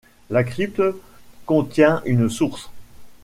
La crypte contient une source.